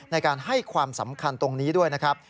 ในการให้ความสำคัญตรงนี้ด้วยนะครับ